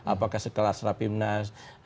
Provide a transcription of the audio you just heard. apakah sekelas rapimnas